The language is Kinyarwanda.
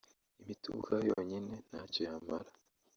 imiti ubwayo yonyine ntacyo yamara